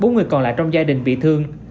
bốn người còn lại trong gia đình bị thương